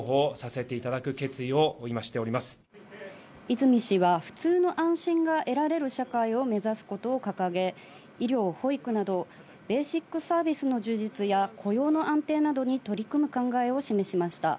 泉氏は普通の安心が得られる社会を目指すことを掲げ、医療・保育などベーシックサービスの充実や雇用の安定などに取り組む考えを示しました。